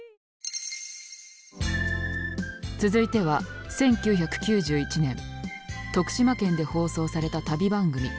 続いては１９９１年徳島県で放送された旅番組。